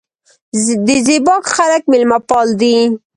د زیباک خلک میلمه پال دي